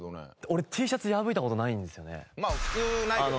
俺Ｔシャツ破いた事ないですよね。